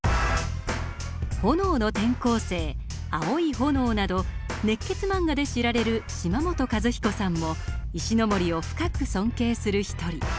「炎の転校生」「アオイホノオ」など熱血漫画で知られる島本和彦さんも石森を深く尊敬する一人。